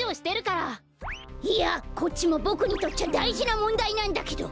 いやこっちもボクにとっちゃだいじなもんだいなんだけど！